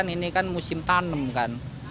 ini kan musim tanam kan